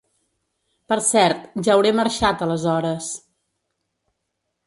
Per cert, ja hauré marxat aleshores.